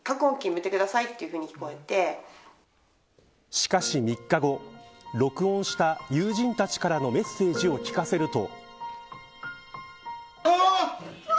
しかし３日後録音した友人たちからのメッセージを聞かせると。